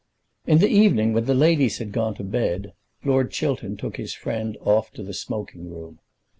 In the evening, when the ladies had gone to bed, Lord Chiltern took his friend off to the smoking room.